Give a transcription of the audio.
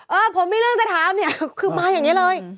เออผมมีเรื่องจะถามเนี่ยคือมาอย่างนี้เลย